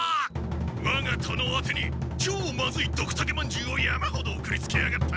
わが殿あてにちょうマズイドクタケまんじゅうを山ほど送りつけやがった！